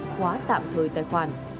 khóa tạm thời tài khoản